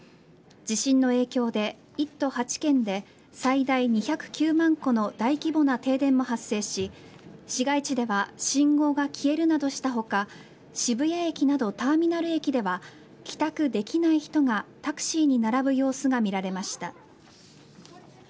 地震の影響で１都８県で最大２０９万戸の大規模な停電が発生し市街地では信号が消えるなどした他渋谷駅などターミナル駅では帰宅できない人がタクシーに並ぶ様子が見られました。